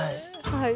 はい。